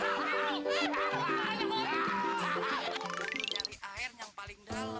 yang lain vegan submission paketnya go